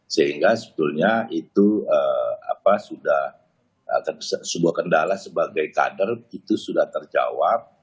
sehingga sebetulnya itu sebuah kendala sebagai kader itu sudah terjawab